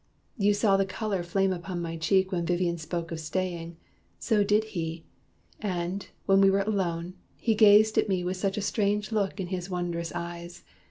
You saw the color flame upon my cheek When Vivian spoke of staying. So did he; And, when we were alone, he gazed at me With such a strange look in his wond'rous eyes.